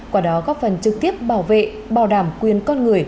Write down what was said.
qua đó góp phần trực tiếp bảo vệ bảo đảm quyền con người